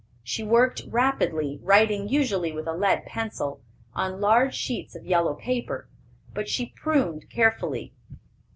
She worked rapidly, writing usually with a lead pencil, on large sheets of yellow paper, but she pruned carefully.